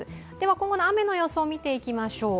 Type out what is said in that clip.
今後の雨の予想を見ていきましょう。